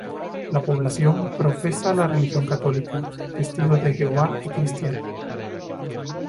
La población profesa la religión católica, Testigos de Jehová y cristiana.